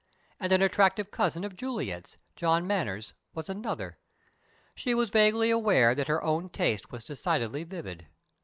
And an attractive cousin of Juliet's, John Manners, was another. She was vaguely aware that her own taste was decidedly vivid.